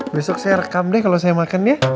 besok saya rekam deh kalau saya makan ya